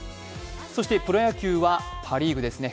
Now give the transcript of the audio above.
そして、プロ野球はパ・リーグですね。